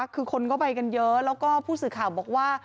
คือคนก็ไปกันเยอะแล้วก็ผู้สื่อข่าวบอกว่า